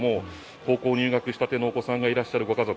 高校入学したてのお子さんがいらっしゃるご家族